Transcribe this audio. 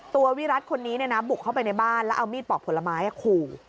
วิรัติคนนี้บุกเข้าไปในบ้านแล้วเอามีดปอกผลไม้ขู่